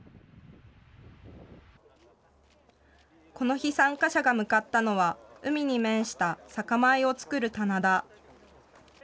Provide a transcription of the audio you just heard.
この日、参加者が向かったのは、海に面した酒米を作る棚田。